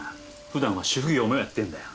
普段は主夫業もやってんだよ。